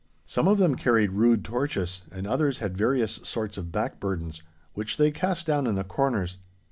Some of them carried rude torches, and others had various sorts of back burdens, which they cast down in the corners.